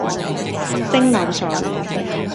蒸餾水